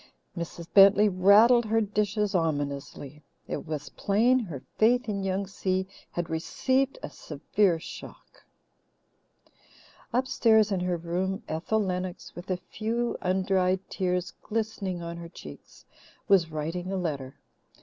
Mrs. Bentley rattled her dishes ominously. It was plain her faith in Young Si had received a severe shock. Upstairs in her room, Ethel Lennox, with a few undried tears glistening on her cheeks, was writing a letter.